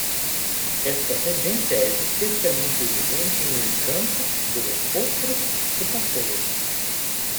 Esta tendencia es especialmente evidente en el campo de los postres y pasteles.